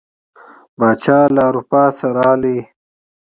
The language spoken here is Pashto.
پاچا له اروپا څخه ته راغی.